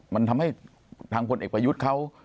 มันทำให้ทางพลเอกประยุทธ์เขา